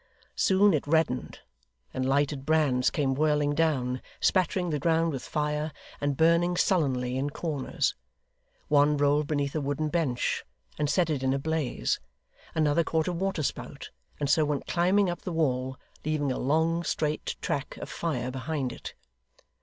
Soon it reddened, and lighted brands came whirling down, spattering the ground with fire, and burning sullenly in corners. One rolled beneath a wooden bench, and set it in a blaze; another caught a water spout, and so went climbing up the wall, leaving a long straight track of fire behind it.